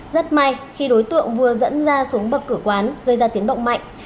rất may khi đối tượng vừa dẫn ra xuống bờ cửa quán gây ra tiếng động mạnh